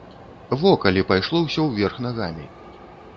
Во калі пайшло ўсё ўверх нагамі!